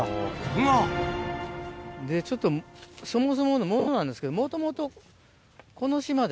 が！でちょっとそもそものものなんですけどもともと。